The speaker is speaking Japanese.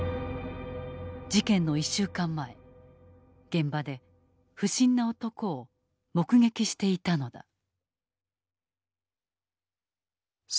事件の１週間前現場で不審な男を目撃していたのだ。